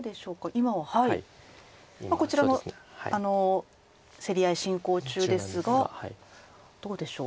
今こちらの競り合い進行中ですがどうでしょう。